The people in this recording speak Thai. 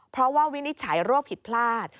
เพราะว่าวินิจฉัยโรคผิดพลาด